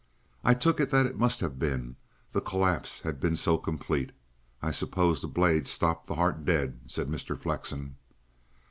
"I took it that it must have been. The collapse had been so complete. I suppose the blade stopped the heart dead," said Mr. Flexen.